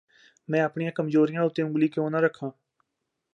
ਮੈਂ ઑਆਪਣੀਆਂ ਕਮਜ਼ੋਰੀਆਂ਼ ਉੱਤੇ ਉਂਗਲੀ ਕਿਉਂ ਨਾ ਰੱਖਾਂ